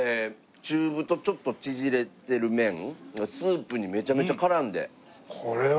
中太ちょっと縮れてる麺がスープにめちゃめちゃ絡んで。